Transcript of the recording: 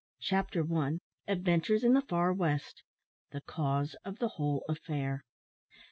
CHAPTER ONE. ADVENTURES IN THE FAR WEST. THE CAUSE OF THE WHOLE AFFAIR.